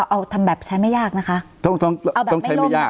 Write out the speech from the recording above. เอาทำแบบใช้ไม่ยากนะคะ